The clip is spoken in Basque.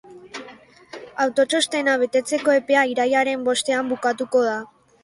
Autotxostena betetzeko epea irailaren bostean bukatuko da.